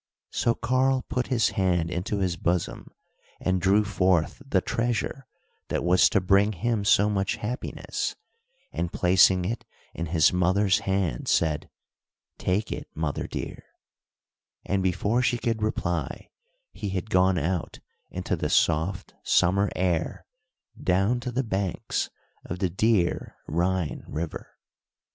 So Karl put his hand into his bosom and drew forth the treasure that was to bring him so much happiness, and placing it in his mother's hand, said: "Take it, mother, dear;" and before she could reply, he had gone out into the soft, summer air, down to the banks of the dear Rhine River.